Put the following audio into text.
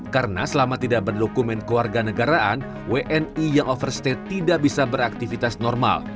karena selama tidak berdokumen keluarga negaraan wni yang overstay tidak bisa beraktivitas normal